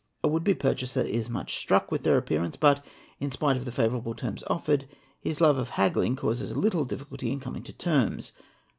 A would be purchaser is much struck with their appearance, but, in spite of the favourable terms offered, his love of haggling causes a little difficulty in coming to terms.